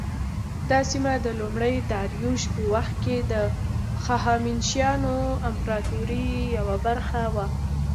دا سیمه د لومړي داریوش په وخت کې د هخامنشیانو امپراطورۍ یوه برخه وه.